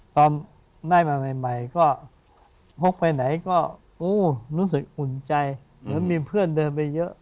ตอนได้มาใหม่ก็พกไปไหนก็โอ้รู้สึกอุ่นใจแล้วมีเพื่อนเดินไปเยอะ